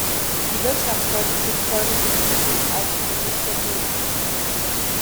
Die Wirtschaft sollte für die Folgen ihres Handelns aufkommen, nicht der Bürger.